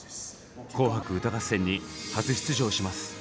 「紅白歌合戦」に初出場します。